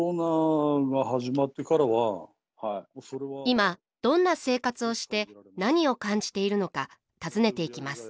今どんな生活をして何を感じているのか尋ねていきます。